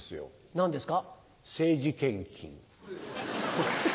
何ですか？